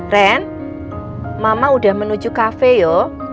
ren mama udah menuju kafe loh